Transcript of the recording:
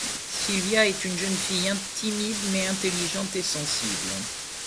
Sylvia est une jeune fille timide mais intelligente et sensible.